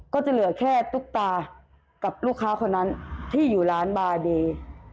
ก็จะเหลือแค่ตุ๊กตากับลูกค้าคนนั้นที่อยู่ร้านบาดี